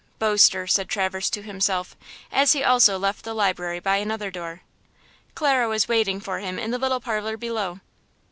"Boaster!" said Traverse to himself, as he also left the library by another door. Clara was waiting for him in the little parlor below.